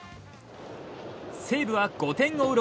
西武は５点を追う